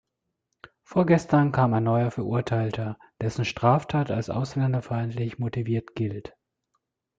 Vorgestern kam ein neuer Verurteilter, dessen Straftat als ausländerfeindlich motiviert gilt.